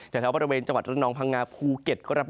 ในภาคฝั่งอันดามันนะครับ